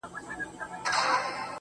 بیماري مې په رگونو کې نشه ده